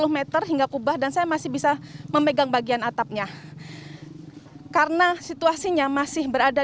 sepuluh meter hingga kubah dan saya masih bisa memegang bagian atapnya karena situasinya masih berada